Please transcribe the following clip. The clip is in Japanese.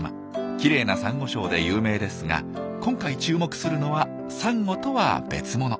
きれいなサンゴ礁で有名ですが今回注目するのはサンゴとは別物。